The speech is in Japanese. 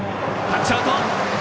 タッチアウト。